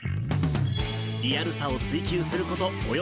リアルさを追求することおよ